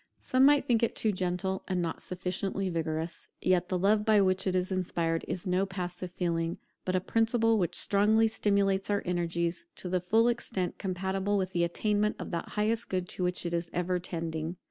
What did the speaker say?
Some might think it too gentle, and not sufficiently vigorous; yet the love by which it is inspired is no passive feeling, but a principle which strongly stimulates our energies to the full extent compatible with the attainment of that highest good to which it is ever tending.